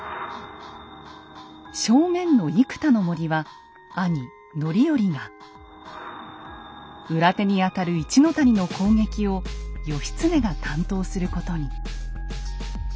正面の生田の森は兄・範頼が裏手にあたる一の谷の攻撃を義経が担当することに。